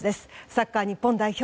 サッカー日本代表